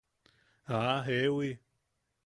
¡Ah, jewi!